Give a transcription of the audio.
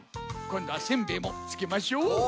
こんどはせんべいもつけましょう。